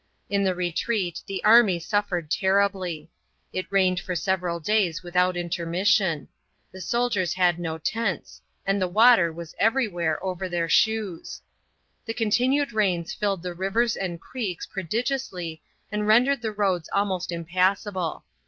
In the retreat the army suffered terribly. It rained for several days without intermission. The soldiers had no tents, and the water was everywhere over their shoes. The continued rains filled the rivers and creeks prodigiously and rendered the roads almost impassable.